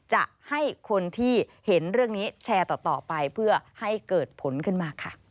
จะให้คนที่เห็นเรื่องนี้แชร์ต่อไปเพื่อให้เกิดผลขึ้นมาค่ะ